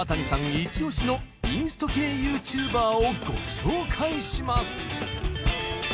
イチ押しのインスト系ＹｏｕＴｕｂｅｒをご紹介します。